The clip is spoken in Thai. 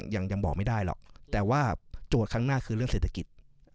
ยังบอกไม่ได้หรอกแต่ว่าโจทย์ครั้งหน้าคือเรื่องเศรษฐกิจ